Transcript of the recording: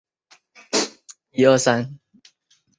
部分西方评论对合辑修改原版游戏表示不满。